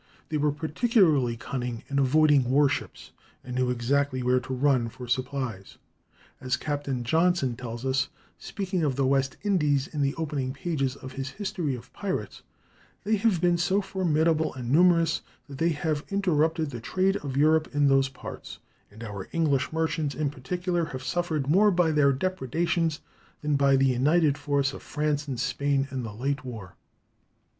They were particularly cunning in avoiding war ships, and knew exactly where to run for supplies. As Captain Johnson tells us, speaking of the West Indies in the opening pages of his "History of Pirates," "they have been so formidable and numerous that they have interrupted the trade of Europe in those parts; and our English merchants in particular have suffered more by their depredations than by the united force of France and Spain in the late war."